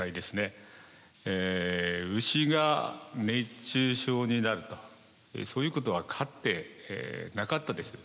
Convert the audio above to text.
牛が熱中症になるとそういうことはかつてなかったです。